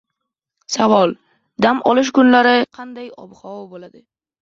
Dam olish kunlari qanday ob-havo bo‘ladi?